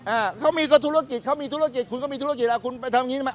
อ่าเขามีก็ธุรกิจเขามีธุรกิจคุณก็มีธุรกิจอ่ะคุณไปทำอย่างงี้ทำไม